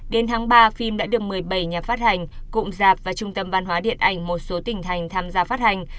đến tháng ba phim đã được một mươi bảy nhà phát hành cụm giạp và trung tâm văn hóa điện ảnh một số tỉnh thành tham gia phát hành